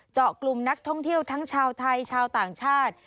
เจาะกลุ่มนักท่องเที่ยวทั้งชาวไทยชาวต่างชาติ